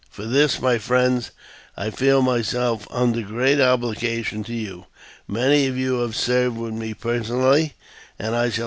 For this, my friends, I feel myself under great obligations to you. Many of you have served with me personally, and I shall JAMES F.